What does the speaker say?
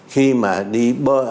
khi mà đi bơi